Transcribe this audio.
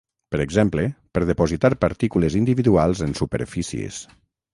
Per exemple, per depositar partícules individuals en superfícies.